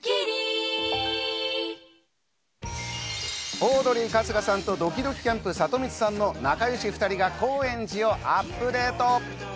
オードリー・春日さんとどきどきキャンプ・サトミツさんの仲良し２人が高円寺をアップデート！